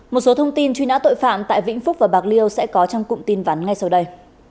một số thông tin truy nã tội phạm tại vĩnh phúc và bạc liêu sẽ có trong cụm tin vắn ngay sau đây